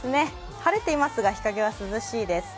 晴れていますが、日陰は涼しいです。